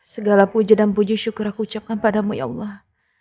segala puji dan puji syukur aku ucapkan padamu ya allah